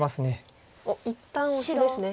一旦オシですね。